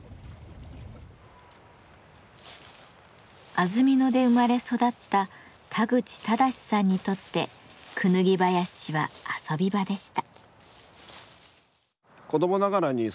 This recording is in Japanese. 安曇野で生まれ育った田口忠志さんにとってクヌギ林は遊び場でした。